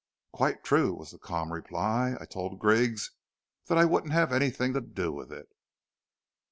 "Quite true," was the calm reply. "I told Griggs that I wouldn't have anything to do with it."